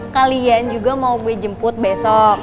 kalian juga mau gue jemput besok